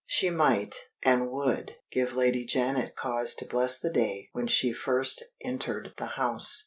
She might, and would, give Lady Janet cause to bless the day when she first entered the house.